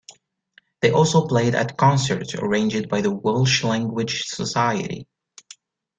They also played at concerts arranged by the Welsh Language Society.